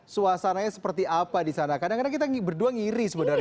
suasananya seperti apa di sana kadang kadang kita berdua ngiri sebenarnya